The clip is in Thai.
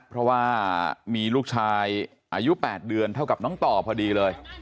เพราะว่ามีลูกชายอายุ๘เดือนเท่ากับน้องต่อพอดีเลย